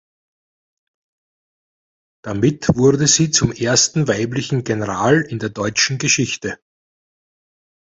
Damit wurde sie zum ersten weiblichen General in der deutschen Geschichte.